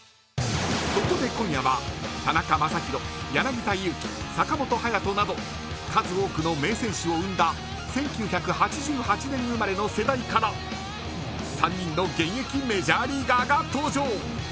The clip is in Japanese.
そこで今夜は田中将大柳田悠岐、坂本勇人など数多くの名選手を生んだ１９８８年生まれの世代から３人の現役メジャーリーガーが登場。